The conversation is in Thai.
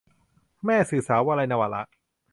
แม่สื่อสาว - วลัย นวาระ